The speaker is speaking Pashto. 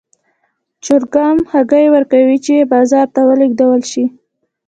چرګان هګۍ ورکوي چې بازار ته ولېږدول شي.